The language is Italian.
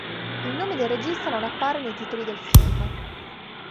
Il nome del regista non appare nei titoli del film.